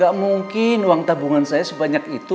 gak mungkin uang tabungan saya sebanyak itu